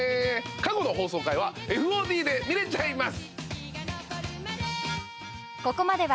過去の放送回はＦＯＤで見れちゃいます。